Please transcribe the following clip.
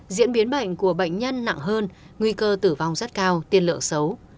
diễn biến bệnh của bệnh nhân nặng hơn nguy cơ tử vong rất cao tiên lượng xấu